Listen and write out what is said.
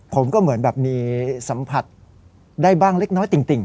ผมก็เหมือนแบบมีสัมผัสได้บ้างเล็กน้อยติ่ง